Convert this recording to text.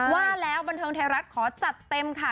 ว่าแล้วบันเทิงไทยรัฐขอจัดเต็มค่ะ